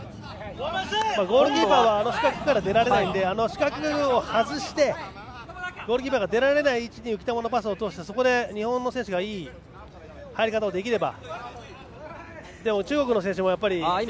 ゴールキーパーはあの四角から出られないのであの四角を外してゴールキーパーが出られない位置に浮き球のパスを通して日本の選手がいい入り方ができれば。